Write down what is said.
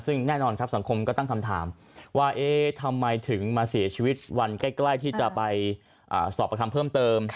ซึ่งแน่นอนครับสังคมก็ตั้งคำถามว่าเอ๊ะทำไมถึงมาเสียชีวิตวันใกล้ที่จะไปสอบประคำเพิ่มเติม